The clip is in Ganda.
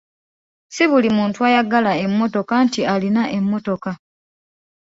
Ssi buli muntu ayagala emmotoka nti alina emmotoka.